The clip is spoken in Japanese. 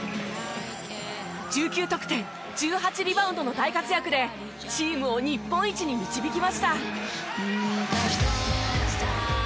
１９得点１８リバウンドの大活躍でチームを日本一に導きました。